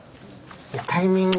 いやタイミング